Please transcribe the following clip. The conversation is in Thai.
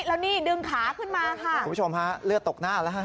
แล้วนี่ดึงขาขึ้นมาค่ะคุณผู้ชมฮะเลือดตกหน้าแล้วฮะ